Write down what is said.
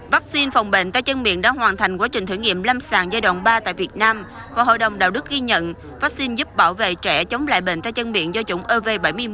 vắc xin phòng bệnh tay chân miệng đã hoàn thành quá trình thử nghiệm lâm sàng giai đoạn ba tại việt nam và hội đồng đạo đức ghi nhận vaccine giúp bảo vệ trẻ chống lại bệnh tay chân miệng do chủng ov bảy mươi một